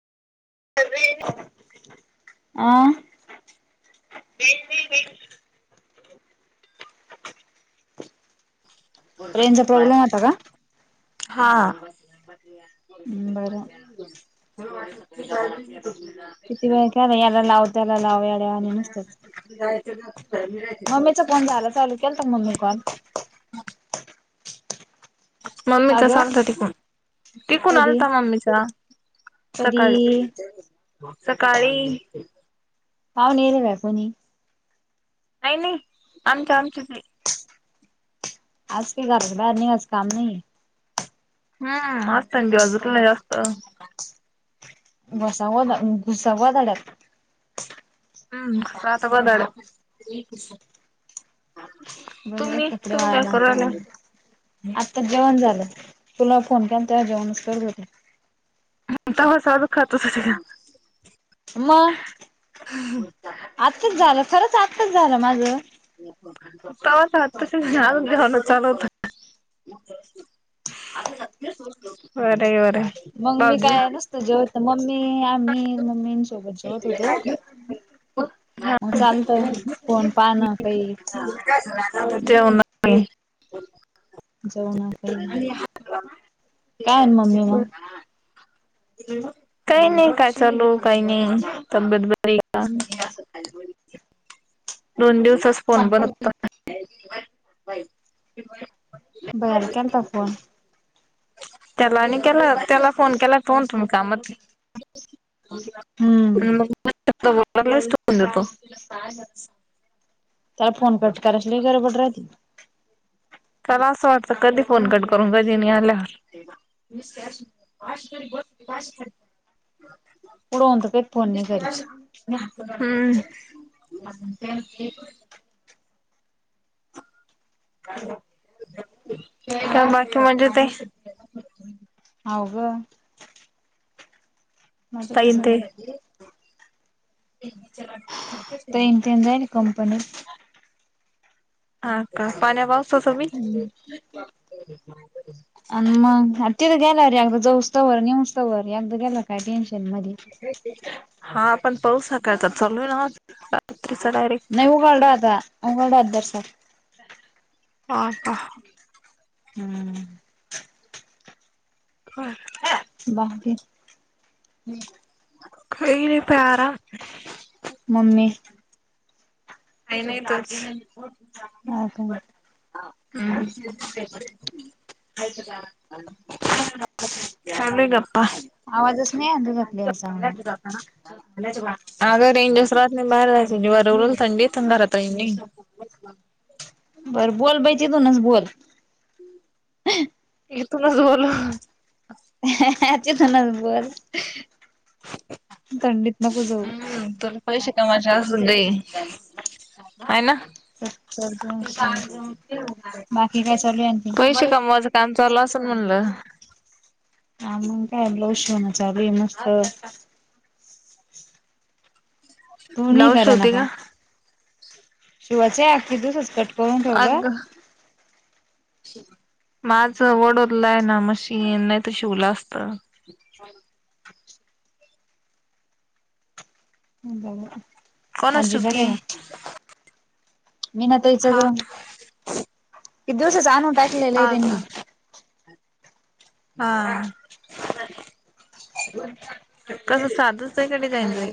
आ! [inaudible] रेंजचा प्रॉब्लेम होता का? हा! [inaudible] हम्म बरं जायच नसतय किती वेळ केला याला लाव मी त्याला लाव येड्यावानी नुसतंच. काय केलंय. च काम झालं चालु केलता मम्मील कॉल. का मम्मीचाच ग आलथां तिकून, तिकून कधी आलथां मम्मीचा. सकाळी, कधी सकाळी. पावणे येल काय कोनी? नाही, नाही आमच्या आमचेच हे. आज काय घराच्या बाहेर निघायचं काम नही. हूं आज थंडी वाजूक नाही जास्त. घासावा घुसावा झाड्यात. हूं तो आसा बदल. [unintelligible] बरं तुम्ही, कपडे तुम्ही काय करु राहील्या. आताच जेवण झालं, तुला फोन केला न तेव्हा जेवणंच करत होते. [unintelligible] म आत्ताच झालं, खरंच आत्ताच झालं माझं. तवाच आत्ताशी अजून जेवणच चालू होत. वर ये वर. मग मी काय नुसत जेवत, मम्मी आम्ही मम्मींन सोबत जेवत होतो. हा म चालत फोण पाहन कही [unintelligible] [unintelligible] जेव ना काही. [unintelligible] काय मम्मी मग काही नही काय चालू काही नही, तब्येत बरी आहे का? दोन दिवसच फोन बंद बरं होता. [unintelligible] भैयाला केलता फोन. त्याला आणि केला त्याला फोन केला तो म्हणतो मी कामात आहे. हम्म [unintelligible] [unintelligible] त्याला फोन कट करायची लई गडबड राहती. त्याला अस वाटत कधी फोन कट करू कधी नि आल्यावर. [unintelligible] पुढे होऊन तर कधी फोन नाही करीत. हम्म हो का कामात म्हणजे ते हाव ग मजेत आहे ताईन ते सगळे ताईन तेन जाईलये कंपनीत. हा का पाण्या -पाऊसाचबी. हम्म [unintelligible] आणि मग तिथ गेल्यावर एकदा जाऊसतंवर नेऊसतवर एकदा गेल काय टेन्शन मध्ये हा पण पाऊस सकाळचा चालू आहे ना रात्रीचा डायरेक्ट. [unintelligible] हा का हम्म [unintelligible] बाकी काही नाही बयी आराम मम्मी काही नाही तोच हा का हम्म चालू आहे गप्पा. आवाजच नाही तुझा क्लिअर चांगला. आग रेंजच राहत नाही. बाहेर जायच जीवावर येत. ऐवढी थंडी आणि घरात रेंज नाही. बर बोल बयी तिथूनच बोल. इथूनच बोलू. तिथूनच बोल. थंडीत नको जाऊ. हा तुला पैसे कामवाचे असु दे आहे ना सत्तर दोनशे बाकी काय चालू आहे आणखी पैशे कमवायच काम चालू असल म्हणल. हा मग काय ब्लाऊज शिवण चालु आहे मस्त. [inaudible] तू नाही करा शिवते काल का शिवाच आनखी तसच कट करून ठेवलं आग माझं वडोदला आहे ना मशीन. नाही तर शिवल असत. [unintelligible] [inaudible] बोल ना कोणाच अजी बर शिवतीये हाय का. मीनताच हा ग किती दिवसच आणून टाकलेलं आहे हा त्यांनी. का हा, कस साध आहे का डिझायनर हाय.